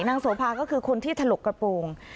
โสภาก็คือคนที่ถลกกระโปรง